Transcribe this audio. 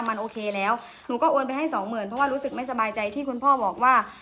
มันโอเคแล้วหนูก็โอนไปให้สองหมื่นเพราะว่ารู้สึกไม่สบายใจที่คุณพ่อบอกว่า